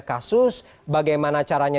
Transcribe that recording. kasus bagaimana caranya